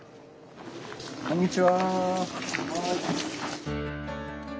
こんにちは。